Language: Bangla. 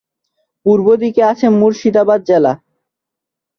পূর্ব দিকে আছে মুর্শিদাবাদ জেলা।